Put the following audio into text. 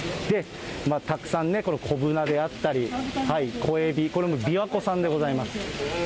たくさんね、このコブナであったり、小エビ、これもびわ湖産でございます。